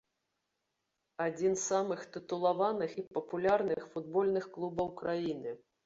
Адзін з самым тытулаваных і папулярных футбольных клубаў краіны.